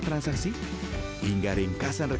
terima kasih banyak